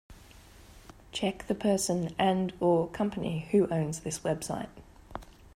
Check the person and/or company who owns this website.